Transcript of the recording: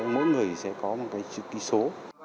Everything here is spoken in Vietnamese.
mỗi người sẽ có một cái chữ ký số